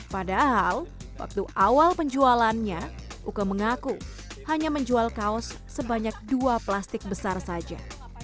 padahal waktu awal penjualannya uke mengaku hanya menjual kaos sebanyak dua plastik besar saja